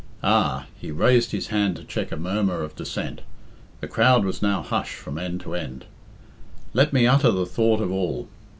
Ah!" he raised his hand to check a murmur of dissent (the crowd was now hushed from end to end) "let me utter the thought of all.